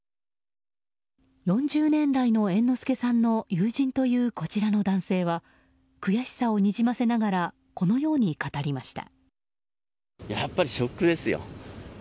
４０年来の猿之助さんの友人というこちらの男性は悔しさをにじませながらこのように語りました。